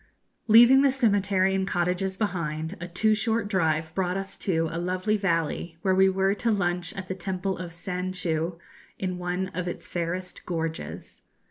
Leaving the cemetery and cottages behind, a too short drive brought us to a lovely valley, where we were to lunch at the temple of San Chew, in one of its fairest gorges.